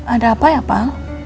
ada apa ya pak